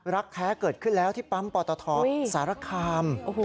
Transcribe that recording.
รักแท้เกิดขึ้นแล้วที่ปั๊มปตทสารคาม